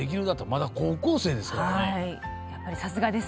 まだ高校生ですからね。